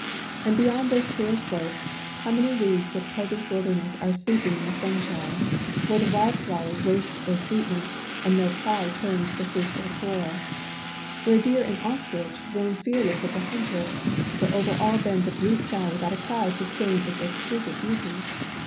And beyond those fair slopes, how many leagues of pleasant wilderness are sleeping in the sunshine, where the wild flowers waste their sweetness and no plough turns the fruitful soil, where deer and ostrich roam fearless of the hunter, while over all bends a blue sky without a cloud to stain its exquisite beauty?